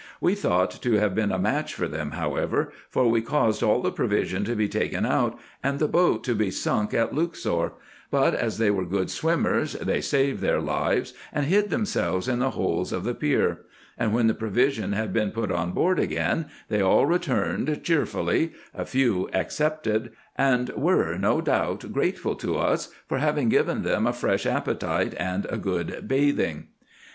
We thought to have been a match for them, however, for we caused all the provision to be taken out, and the boat to be sunk at Luxor, but as they were good swimmers, they saved their lives, and hid themselves in the holes of the pier ; and when the provision had been put on board again, they all returned cheerfully, a few excepted, and were no doubt grateful to us for having given them a fresh appetite and a good bathing.